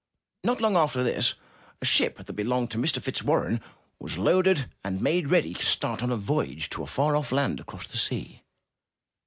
Not long after this, a ship that belonged to Mr. Fitzwarren was loaded and made ready to start on a voyage to a far off land across the sea.